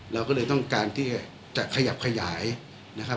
เราก็เลยต้องการที่จะขยับขยายนะครับ